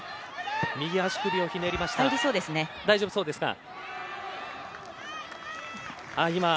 右足首をひねりましたが大丈夫そうですか。